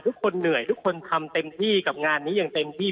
ทุกคนเหนื่อยทุกคนทำเต็มที่กับงานนี้อย่างเต็มที่